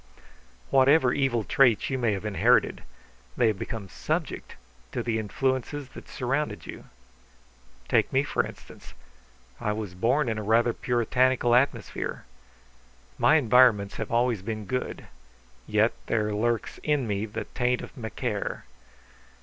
Whatever evil traits you may have inherited, they have become subject to the influences that have surrounded you. Take me, for instance. I was born in a rather puritanical atmosphere. My environments have always been good. Yet there lurks in me the taint of Macaire.